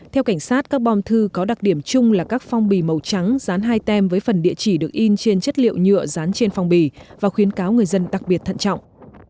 theo cảnh sát các bom thư có đặc điểm chung là các phong bì màu trắng dán hai tem với phần địa chỉ được in trên chất liệu nhựa dán trên phong bì và khuyến cáo người dân đặc biệt thận trọng